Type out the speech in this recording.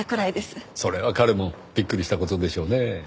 それは彼もびっくりした事でしょうねぇ。